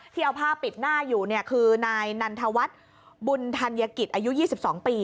เอาผ้าปิดหน้าอยู่คือนายนันทวัฒน์บุญธัญกิจอายุ๒๒ปี